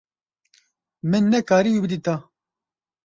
Min nekarî wî bidîta.